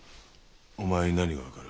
お前に何が分かる。